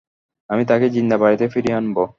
আমি তাকে জিন্দা বাড়িতে ফিরিয়ে আনব।